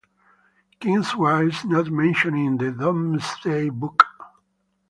Kingswear is not mentioned in the Domesday Book.